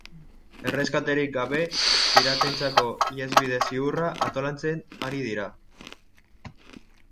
Erreskaterik gabe, piratentzako ihesbide ziurra antolatzen ari dira.